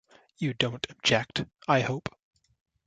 You don't object, I hope?